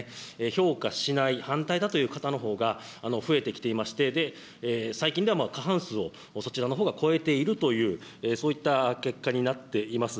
評価しない、反対だという方のほうが増えてきていまして、最近では過半数をそちらのほうが超えているという、そういった結果になっています。